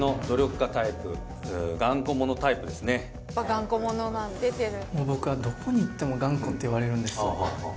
頑固者なの出てる。